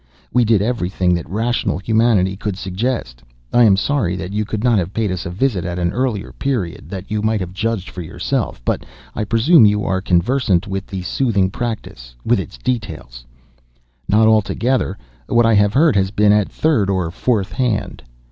We did every thing that rational humanity could suggest. I am sorry that you could not have paid us a visit at an earlier period, that you might have judged for yourself. But I presume you are conversant with the soothing practice—with its details." "Not altogether. What I have heard has been at third or fourth hand."